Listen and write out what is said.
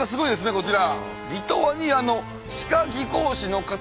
こちら。